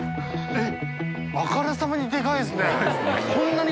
えっ！